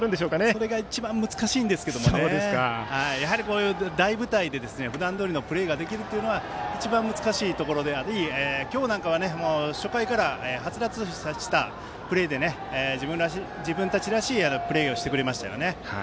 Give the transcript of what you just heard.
それが一番難しいんですがやはりこういう大舞台で普段どおりのプレーができるというのは一番難しいところであり今日なんかは初回からはつらつとしたプレーで自分たちらしいプレーをしてくれましたね。